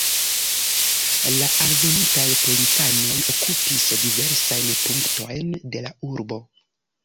La alvenintaj policanoj okupis diversajn punktojn de la urbo.